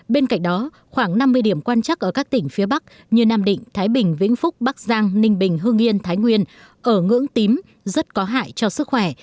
bên cạnh đó khoảng năm mươi điểm quan trắc ở các tỉnh phía bắc như nam định thái bình vĩnh phúc bắc giang ninh bình hương yên thái nguyên ở ngưỡng tím rất có hại cho sức khỏe